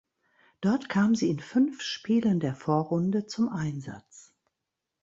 Dort kam sie in fünf Spielen der Vorrunde zum Einsatz.